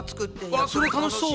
わそれ楽しそう。